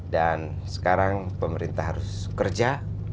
dan sekarang pemerintah harus kerja